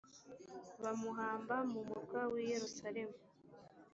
bamuhamba mu murwa w’i yerusalemu